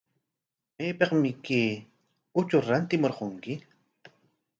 ¿Maypikmi kay uchuta rantimurqunki?